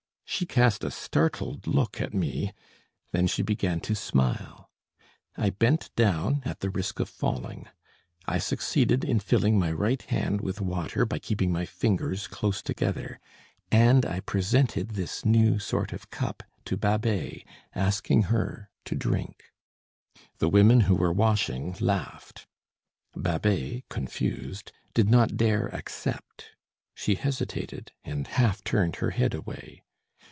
She cast a startled look at me; then she began to smile. I bent down, at the risk of falling. I succeeded in filling my right hand with water by keeping my fingers close together. And I presented this new sort of cup to Babet' asking her to drink. The women who were washing laughed. Babet, confused, did not dare accept; she hesitated, and half turned her head away.